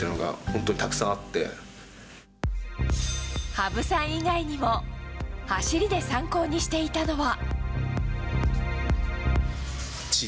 羽生さん以外にも走りで参考にしていたのは。